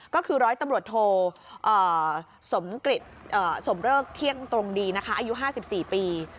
ก็คือร้อยตำรวจโทสมเริกเที่ยงตรงดีนะคะอายุ๕๔ปี